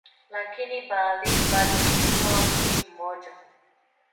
Lakini Berlin bado ilikuwa mji mmoja.